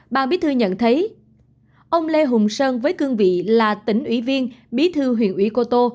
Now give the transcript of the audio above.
bà bí thư nhận thấy ông lê hùng sơn với cương vị là tỉnh ủy viên bí thư huyện ủy cô tô